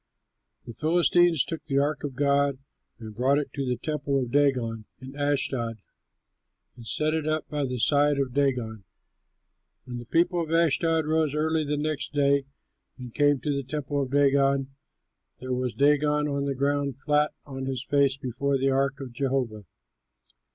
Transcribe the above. The Philistines took the ark of God and brought it to the temple of Dagon in Ashdod and set it up by the side of Dagon. When the people of Ashdod rose early the next day and came to the temple of Dagon, there was Dagon on the ground flat on his face before the ark of Jehovah.